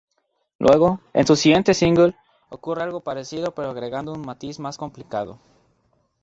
Luego, en su siguiente single, ocurre algo parecido pero agregando un matiz más complicado.